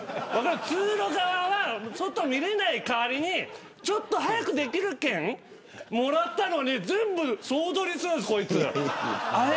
通路側は外見れない代わりにちょっと早くできる券もらったのに、全部総取りするんです、こいつ。